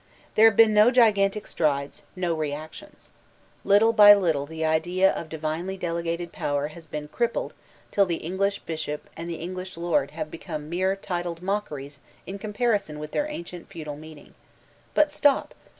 There have been no gigantic strides, no reactions. Little by little the idea of divinely delegated power has been crippled till the English bishop and the English lord have become mere titled mockeries in comparison with their ancient feudal meaning. But stop!